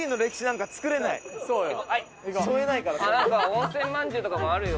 温泉まんじゅうとかもあるよ。